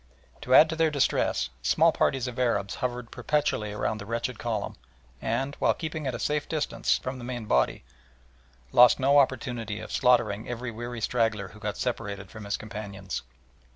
To add to their distress, small parties of Arabs hovered perpetually around the wretched column and, while keeping at a safe distance from the main body, lost no opportunity of slaughtering every weary straggler who got separated from his companions.